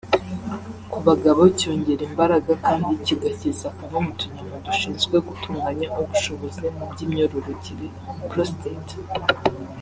ku bagabo cyongera imbaraga kandi kigakiza kamwe mu tunyama dushinzwe gutunganya ubushobozi mu by’imyororokere (prostate)